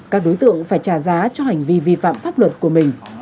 các đối tượng phải trả giá cho hành vi vi phạm pháp luật của mình